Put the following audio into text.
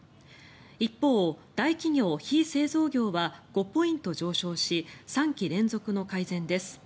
一方、大企業・非製造業は５ポイント上昇し３期連続の改善です。